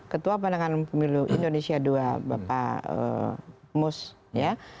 ketua pandangan pemilu indonesia ii bapak mus ya